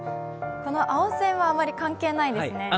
青線はあまり関係ないですね。